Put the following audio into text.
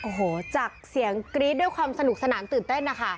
โอ้โหจากเสียงกรี๊ดด้วยความสนุกสนานตื่นเต้นนะคะ